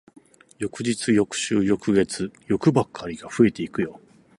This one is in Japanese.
翌日、翌週、翌月、欲ばかりが増えてくよ。